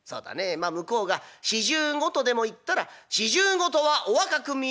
まあ向こうが『４５』とでも言ったら『４５とはお若く見える！